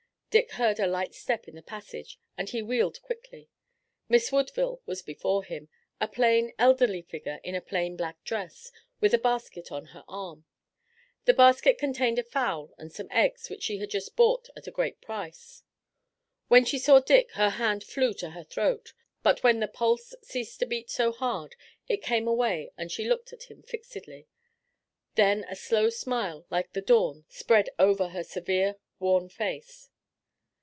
Dick heard a light step in the passage and he wheeled quickly. Miss Woodville was before him, a plain, elderly figure in a plain black dress, with a basket on her arm. The basket contained a fowl and some eggs which she had just bought at a great price. When she saw Dick her hand flew to her throat, but when the pulse ceased to beat so hard it came away and she looked at him fixedly. Then a slow smile like the dawn spread over the severe, worn face.